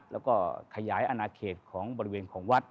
แล้วก็ขยายอนาเขตของบริเวณของวัด